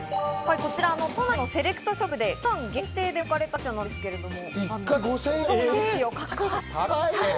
こちら都内のセレクトショップで期間限定で置かれたガチャなんですけれども。